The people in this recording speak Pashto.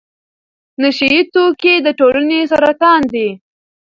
نشه يي توکي د ټولنې سرطان دی.